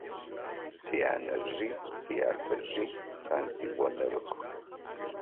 Сянэжъи сятэжъи пенсионерых.